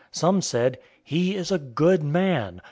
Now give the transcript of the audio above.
Some said, "He is a good man."